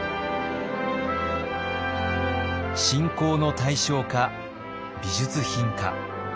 信仰の対象か美術品か。